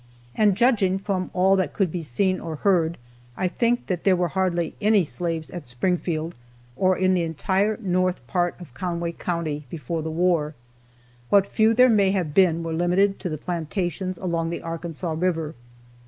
And judging from all that could be seen or heard, I think there were hardly any slaves at Springfield, or in the entire north part of Conway county, before the war. What few there may have been were limited to the plantations along the Arkansas river.